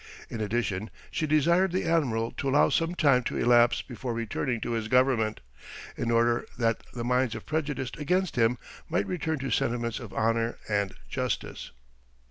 In addition, she desired the admiral to allow some time to elapse before returning to his government, in order that the minds prejudiced against him might return to sentiments of honour and justice.